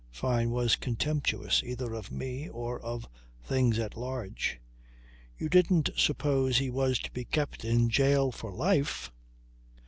Fyne was contemptuous either of me or of things at large. "You didn't suppose he was to be kept in jail for life?"